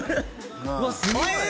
うわすごい！え！